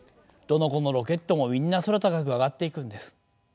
どの子のロケットもみんな空高く上がっていくんです。